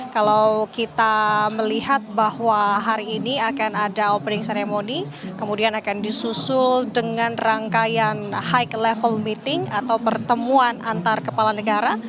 kalau kita melihat bahwa hari ini akan ada opening ceremony kemudian akan disusul dengan rangkaian high level meeting atau pertemuan antar kepala negara